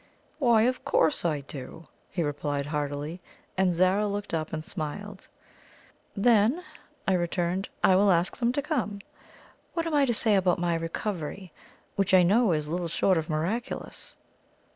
"Why, of course I do!" he replied heartily; and Zara looked up and smiled. "Then," I returned, "I will ask them to come. What am I to say about my recovery, which I know is little short of miraculous?"